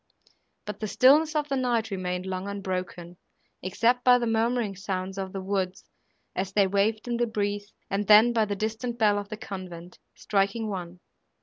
But the stillness of the night remained long unbroken, except by the murmuring sounds of the woods, as they waved in the breeze, and then by the distant bell of the convent, striking one.